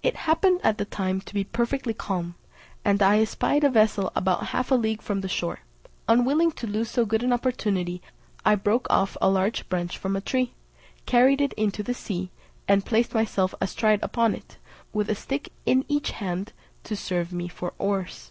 It happened at the time to be perfectly calm, and I espied a vessel about half a league from the shore: unwilling to lose so good an opportunity, I broke off a large branch from a tree, carried it into the sea, and placed myself astride upon it, with a stick in each hand to serve me for oars.